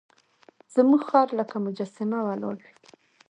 زموږ خر لکه مجسمه ولاړ وي.